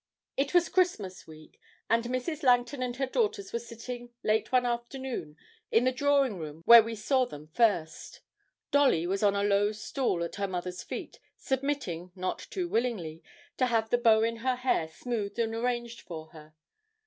It was Christmas week, and Mrs. Langton and her daughters were sitting, late one afternoon, in the drawing room where we saw them first. Dolly was on a low stool at her mother's feet, submitting, not too willingly, to have the bow in her hair smoothed and arranged for her.